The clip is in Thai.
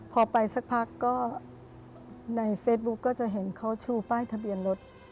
พอไปสักพักก็ในเฟซบุ๊กก็จะเห็นเขาชูป้ายทะเบียนรถ